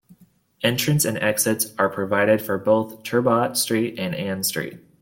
Entrance and exits are provided for both Turbot Street and Ann Street.